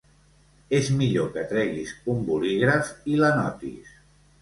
És millor que treguis un bolígraf i l'anotis.